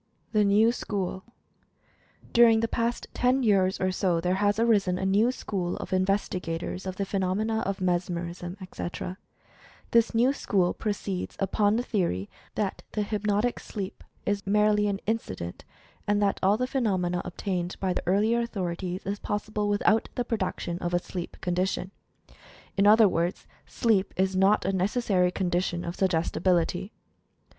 THE NEW SCHOOL. During the past ten years or so there has arisen a new school of investigators of the phenomena of "Mesmerism," etc. This new school proceeds upon the theory that the "hypnotic sleep" is merely an inci dent, and that all the phenomena obtained by the ear lier authorities is possible without the production of the sleep condition. In other words, SLEEP IS NOT A NECESSARY CONDITION OF SUGGESTI BILITY.